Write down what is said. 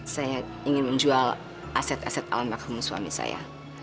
saya ingin menjual aset aset almarhum suami saya